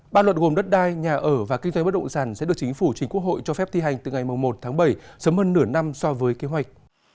ba luật gồm đất đai nhà ở và kinh doanh bất động sản sẽ được chính phủ chính quốc hội cho phép thi hành từ ngày một tháng bảy sớm hơn nửa năm so với kế hoạch